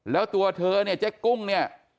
แล้วตัวเธอเนี่ยเจ๊กุ้งเนี่ย